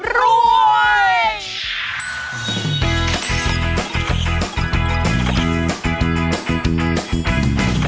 รวย